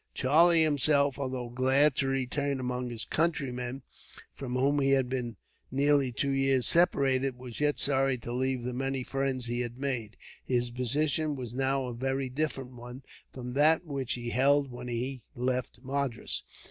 Charlie himself, although glad to return among his countrymen, from whom he had been nearly two years separated, was yet sorry to leave the many friends he had made. His position was now a very different one from that which he held when he left Madras.